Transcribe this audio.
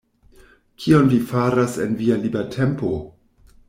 Kion vi faras en via libertempo?